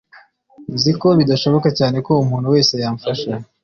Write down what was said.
nzi ko bidashoboka cyane ko umuntu wese yamfasha